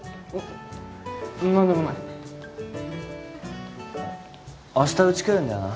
何でもない明日うち来るんだよな？